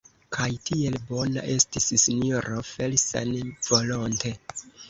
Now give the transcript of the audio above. Kaj tiel bona estis sinjoro Felsen volonte.